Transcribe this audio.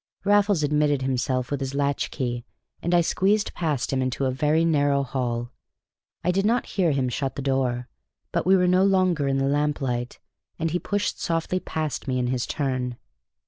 Raffles admitted himself with his latch key, and I squeezed past him into a very narrow hall. I did not hear him shut the door, but we were no longer in the lamplight, and he pushed softly past me in his turn.